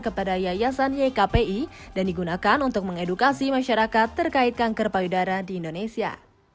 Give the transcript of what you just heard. kepada yayasan ykpi dan digunakan untuk mengedukasi masyarakat terkait kanker payudara di indonesia